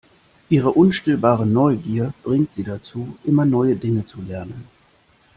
Ihre unstillbare Neugier bringt sie dazu, immer neue Dinge zu lernen.